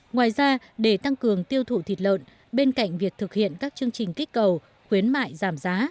ngoài ra để tăng cường tiêu thụ thịt lợn bên cạnh việc thực hiện các chương trình kích cầu khuyến mại giảm giá